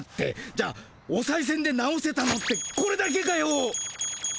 じゃあおさいせんで直せたのってこれだけかよ。